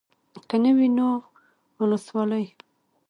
که نه وي نو اولسوالي.